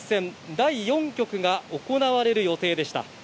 第４局が行われる予定でした。